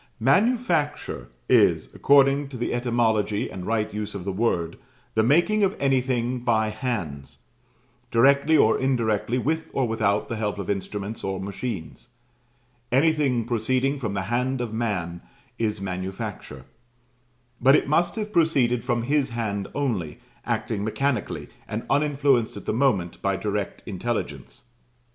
"MANUFACTURE" is, according to the etymology and right use of the word, "the making of anything by hands," directly or indirectly, with or without the help of instruments or machines. Anything proceeding from the hand of man is manufacture; but it must have proceeded from his hand only, acting mechanically, and uninfluenced at the moment by direct intelligence.